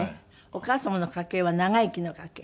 お母様の家系は長生きの家系？